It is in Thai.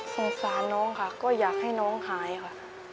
สงสารน้องค่ะก็อยากให้น้องหายค่ะ